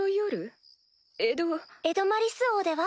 エドマリス王では？